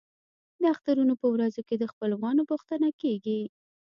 د اخترونو په ورځو کې د خپلوانو پوښتنه کیږي.